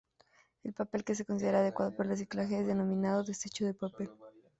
El papel que se considera adecuado para el reciclaje es denominado "desecho de papel".